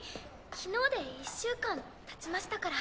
昨日で１週間たちましたから。